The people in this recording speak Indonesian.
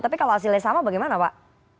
tapi kalau hasilnya sama bagaimana pak